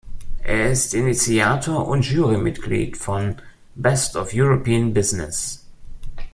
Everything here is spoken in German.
Er ist Initiator und Jury-Mitglied von „Best of European Business“.